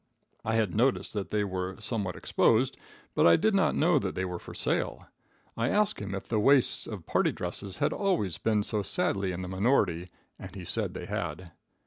I had noticed that they were somewhat exposed, but I did not know that they were for sale. I asked him if the waists of party dresses had always been so sadly in the minority, and he said they had.